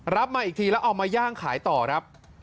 มาอีกทีแล้วเอามาย่างขายต่อครับ